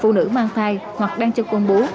phụ nữ mang thai hoặc đang cho con bú